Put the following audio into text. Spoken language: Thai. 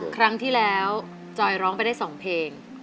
ครั้งที่แล้วจอยร้องไปได้๒เพลง